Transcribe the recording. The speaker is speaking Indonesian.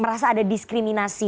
merasa ada diskriminasi